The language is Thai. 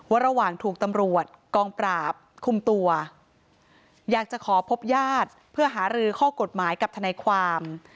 ระหว่างถูกตำรวจกองปราบคุมตัวอยากจะขอพบญาติเพื่อหารือข้อกฎหมายกับทนายความ